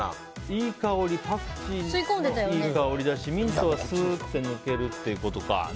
いい香りパクチーもいい香りだしミントはすーっと抜けるということか。